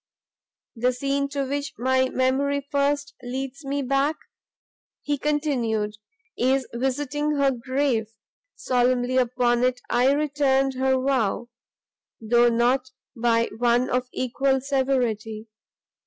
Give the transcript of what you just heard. "The scene to which my memory first leads me back," he continued, "is visiting her grave; solemnly upon it I returned her vow, though not by one of equal severity.